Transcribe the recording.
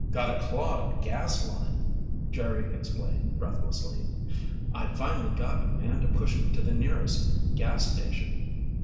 "Got a clogged gas line," Jerry explained breathlessly. "I finally got a man to push me to the nearest gas station.